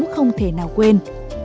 không thể nào quên